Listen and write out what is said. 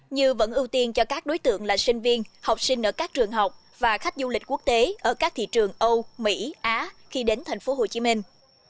như vẫn ưu tiên cho các đối tượng là sinh viên học sinh ở các trường học và khách du lịch quốc tế ở các thị trường âu mỹ á khi đến thành phố hồ chí minh